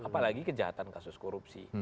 apalagi kejahatan kasus korupsi